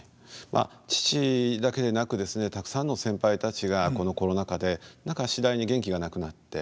まあ父だけでなくですねたくさんの先輩たちがこのコロナ禍で何か次第に元気がなくなって。